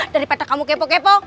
daripada kamu kepo kepo